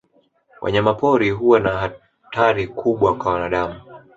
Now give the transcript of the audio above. Wanyama pori huwa na hatari kubwa ka wanadamu.